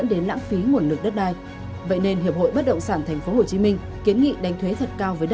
đến phúc lợi của voi